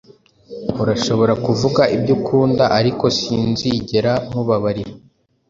Urashobora kuvuga ibyo ukunda, ariko sinzigera nkubabarira.